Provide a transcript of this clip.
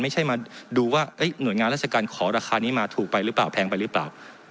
มาดูว่าหน่วยงานราชการขอราคานี้มาถูกไปหรือเปล่าแพงไปหรือเปล่า